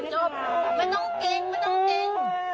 เสร็จแล้ว